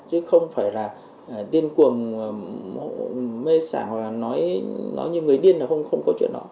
chứ không phải là điên cuồng mê sảng nói như người điên là không có chuyện đó